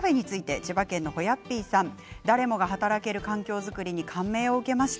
千葉県の方から誰もが働ける場所に感銘を受けました。